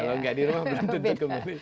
kalau nggak di rumah berhenti untuk kembali